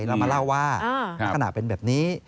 แล้วมาเล่าว่าลักษณะเป็นแบบนี้